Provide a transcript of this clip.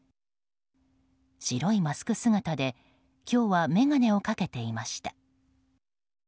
白いマスク姿で今日は眼鏡をかけていました。